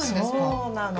そうなの！